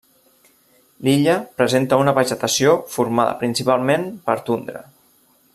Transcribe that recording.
L'illa presenta una vegetació formada principalment per tundra.